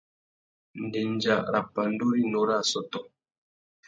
Ndéndja râ pandú rinú râ assôtô.